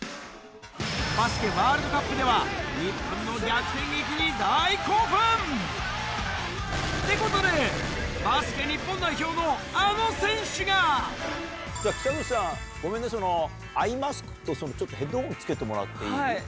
バスケワールドカップでは、日本の逆転劇に大興奮！ってことで、北口さん、ごめんね、そのアイマスクと、ちょっとヘッドホンつけてもらっていい？